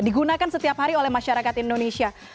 digunakan setiap hari oleh masyarakat indonesia